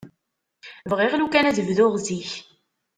Bɣiɣ lukan ad bduɣ zik.